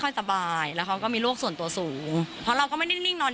ค่อยสบายแล้วเขาก็มีลูกส่วนตัวสูงเราก็ไม่ได้นิ่งนอน